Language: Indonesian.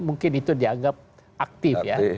mungkin itu dianggap aktif ya